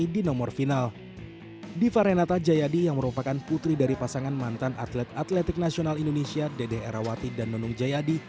diva renata jayadi yang merupakan putri dari pasangan mantan atlet atletik nasional indonesia dede erawati dan nunung jayadi